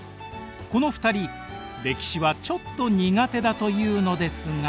この２人歴史はちょっと苦手だというのですが。